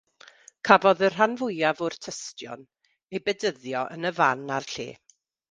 Cafodd y rhan fwyaf o'r tystion eu bedyddio yn y fan a'r lle.